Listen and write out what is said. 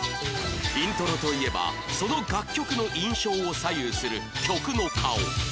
イントロといえばその楽曲の印象を左右する曲の顔